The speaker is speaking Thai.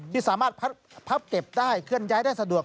ที่สามารถพับเก็บได้เคลื่อนย้ายได้สะดวก